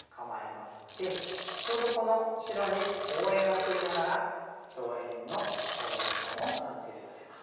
ちょうどこの白に応援を送りながら上辺のフォーメーションを完成させます。